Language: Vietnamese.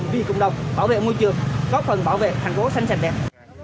vì cùng đồng bảo vệ môi trường góp phần bảo vệ thành phố xanh xanh đẹp